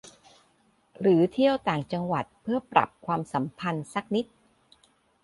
หรือเที่ยวต่างจังหวัดเพื่อปรับความสัมพันธ์สักนิด